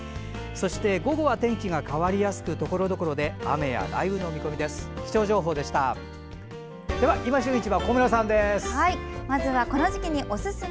そして午後が変わりやすくところどころで雨や雷雨の見込みです。